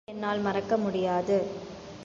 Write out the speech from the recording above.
மற்றவர்கள் மறந்தாலும் என்னால் மறக்க முடியாது.